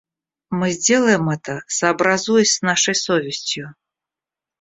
Мы сделаем это, сообразуясь с нашей совестью.